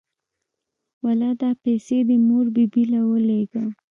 واله دا پيسې دې مور بي بي له ولېګه.